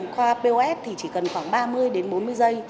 qua pos thì chỉ cần khoảng ba mươi đến bốn mươi giây